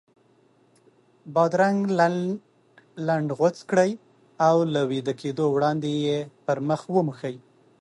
بادرنګ لنډ لنډ غوڅ کړئ او له ویده کېدو وړاندې یې پر مخ وموښئ.